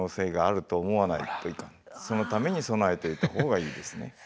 そのために備えておいた方がいいですね。